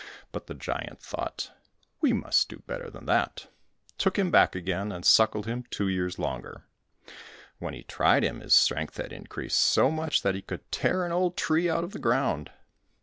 But the giant thought, "We must do better than that," took him back again, and suckled him two years longer. When he tried him, his strength had increased so much that he could tear an old tree out of the ground.